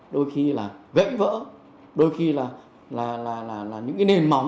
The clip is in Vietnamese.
đôi khi là vẫy vỡ đôi khi là những nền móng